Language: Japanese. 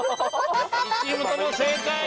２チームとも正解。